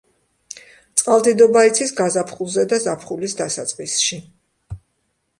წყალდიდობა იცის გაზაფხულზე და ზაფხულის დასაწყისში.